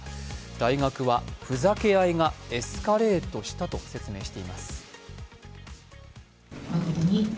大学は、ふざけ合いがエスカレートしたと説明しています。